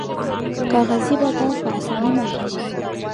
کاغذي بادام په اسانۍ ماتیږي.